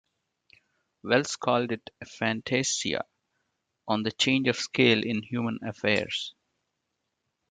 Wells called it a fantasia on the change of scale in human affairs.